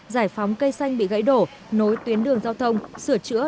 giải phóng cây xanh bị gãy đổ nối tuyến đường giao thông sửa chữa